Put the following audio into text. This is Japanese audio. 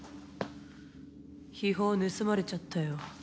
秘宝盗まれちゃったよ。